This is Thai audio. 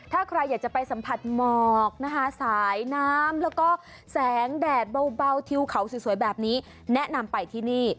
ถ้าใครอยากจะไปสัมผัสหมอกนะคะสายน้ำแล้วก็แสงแดดเบาทิวเขาสวยแบบนี้แนะนำไปที่นี่